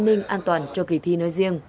an ninh an toàn cho kỳ thi nơi riêng